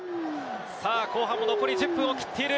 後半も残り１０分を切っている。